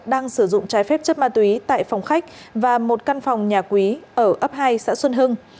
đang sử dụng trái phép chất ma túy tại phòng khách và một căn phòng nhà quý ở ấp hai xã xuân hưng